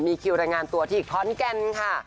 มีคิวรายงานตัวที่ขอนแก่นค่ะ